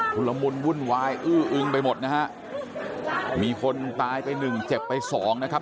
ละมุนวุ่นวายอื้ออึงไปหมดนะฮะมีคนตายไปหนึ่งเจ็บไปสองนะครับ